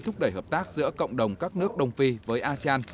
thúc đẩy hợp tác giữa cộng đồng các nước đông phi với asean